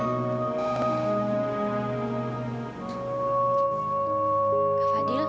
aku tunggu di taman